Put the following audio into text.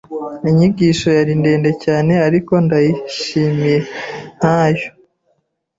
Inyigisho yari ndende cyane, ariko ndayishimiye ntayo.